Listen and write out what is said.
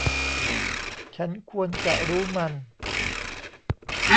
ฉันควรจะรู้มัน